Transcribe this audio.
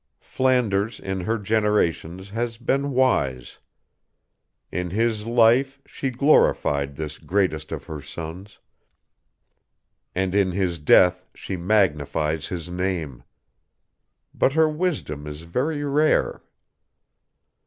Flanders in her generations has been wise. In his life she glorified this greatest of her sons, and in his death she magnifies his name. But her wisdom is very rare.